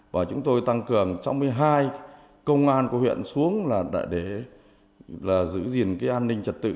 và chúng tôi tăng cường trong một mươi hai công an của huyện xuống để giữ gìn an ninh trật tự